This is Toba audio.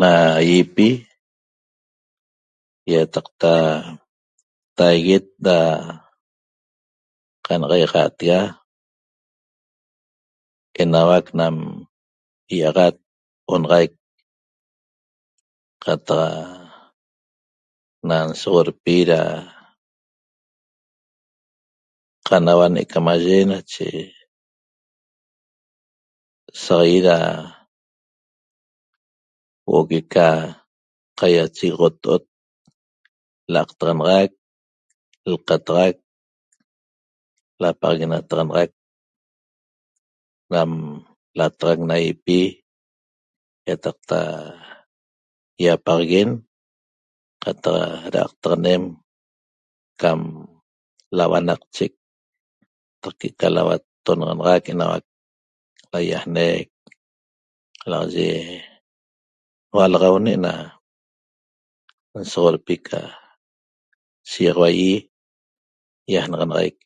Na ýipi ýataqta taiguet da qan'axaiaxaatega enauac nam ýi'axat onaxaic qataq na n'soxorpi da qanauane' camaye nache saq ýit ra huo'o que'eca qaiachegoxoto'ot la'aqtaxanaxac lqataxac lapaxaguenataxanaxac nam lataxac na ýipi ýataqta ýapaxaguen qataq ra'aqtaxanem cam lauanaqchec qataq que'eca lauattonaxanaxac enauac laýajnec qalaxaye n-ualaxaune' na nsoxorpi ca shiýaxaua ýi ýajnaxanaxaic